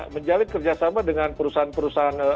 menjalin kerjasama dengan perusahaan perusahaan